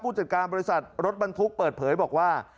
จัดการบริษัทรถบรรทุกเปิดเผยบอกว่า